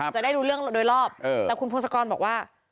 จะได้รู้เรื่องโดยรอบแต่คุณพงศกรบอกว่า